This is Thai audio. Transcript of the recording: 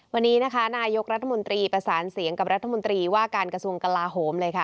วันนี้นะคะนายกรัฐมนตรีประสานเสียงกับรัฐมนตรีว่าการกระทรวงกลาโหมเลยค่ะ